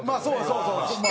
そうそう！